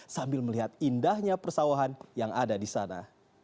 sambil melihat indahnya persawahan yang ada di sana